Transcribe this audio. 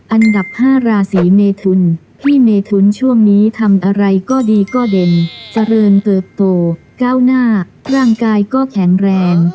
อันดับ๕ราศีเมทุนพี่เมทุนช่วงนี้ทำอะไรก็ดีก็เด่นเจริญเติบโตก้าวหน้าร่างกายก็แข็งแรง